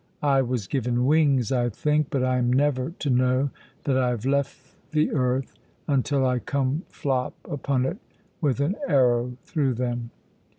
I was given wings, I think, but I am never to know that I have left the earth until I come flop upon it with an arrow through them.